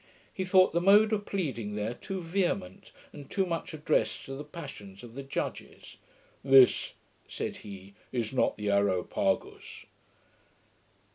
He thought the mode of pleading there too vehement, and too much addressed to the passions of the judges. 'This,' said he, 'is not the Areopagus.'